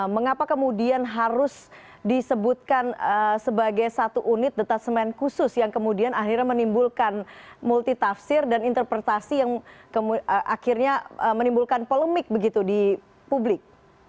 mengapa kemudian harus disebutkan sebagai satu unit detasemen khusus yang kemudian akhirnya menimbulkan multitafsir dan interpretasi yang akhirnya menimbulkan polemik begitu di publik